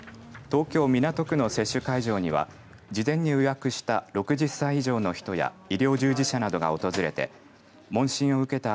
東京、港区の接種会場には事前に予約した６０歳以上の人や医療従事者などが訪れて問診を受けた